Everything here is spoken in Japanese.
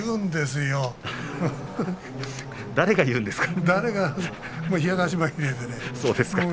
誰が言うんですか。